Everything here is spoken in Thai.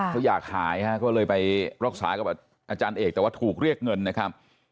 เขาอยากหายฮะก็เลยไปรักษากับอาจารย์เอกแต่ว่าถูกเรียกเงินนะครับ